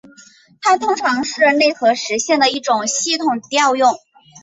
它通常是内核实现的一种系统调用。